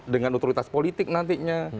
dengan otoritas politik nantinya